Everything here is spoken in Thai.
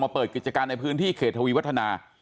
เปิดกิจการในพื้นที่เขตทวีวัฒนา